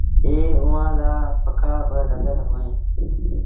ائيٚݩ هوآ لآ پکآ با لڳل اوهيݩ۔